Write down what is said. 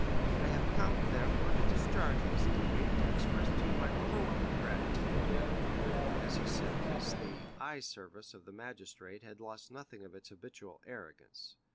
I have come, therefore, to discharge this duty, and to express to you my overwhelming gratitude." And as he said this, the "eye severe" of the magistrate had lost nothing of its habitual arrogance.